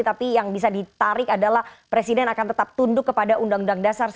tapi yang bisa ditarik adalah presiden akan tetap tunduk kepada undang undang dasar seribu sembilan ratus empat